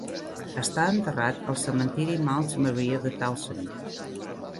Està enterrat al cementiri Mount Maria de Towson.